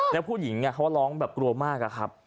แล้วผู้หญิงเขาก็ร้องแบบกลัวมากอะครับ